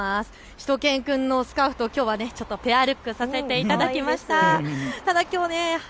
しゅと犬くんのスカーフときょうはペアルックさせていただきました。